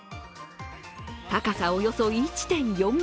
高さおよそ１．４ｍ。